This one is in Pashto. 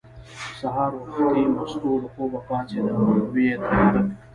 سهار وختي مستو له خوبه پاڅېده او یې تیاری کاوه.